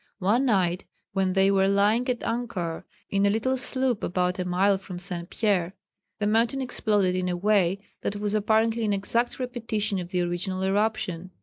One night, when they were lying at anchor in a little sloop about a mile from St. Pièrre, the mountain exploded in a way that was apparently an exact repetition of the original eruption.